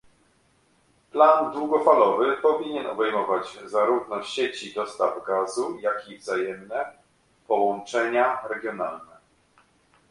Plan długofalowy powinien obejmować zarówno sieci dostaw gazu, jak i wzajemne połączenia regionalne